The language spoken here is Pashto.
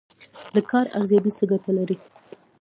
د کار ارزیابي څه ګټه لري؟